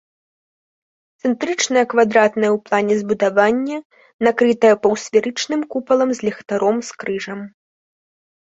Цэнтрычнае квадратнае ў плане збудаванне, накрытае паўсферычным купалам з ліхтаром з крыжам.